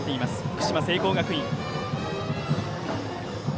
福島・聖光学院。